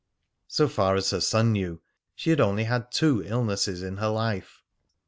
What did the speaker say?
So far as her son knew, she had only had two illnesses in her life.